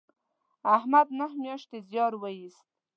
احمد نهه میاشتې زیار و ایست